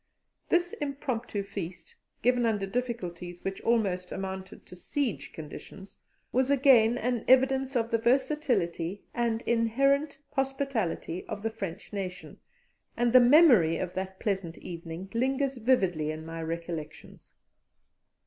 This impromptu feast, given under difficulties which almost amounted to siege conditions, was again an evidence of the versatility and inherent hospitality of the French nation, and the memory of that pleasant evening lingers vividly in my recollections.